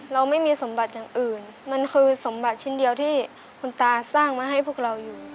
เราไม่มีสมบัติอย่างอื่นมันคือสมบัติชิ้นเดียวที่คุณตาสร้างมาให้พวกเราอยู่